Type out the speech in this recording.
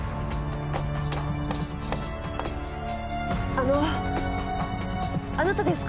あのあなたですか？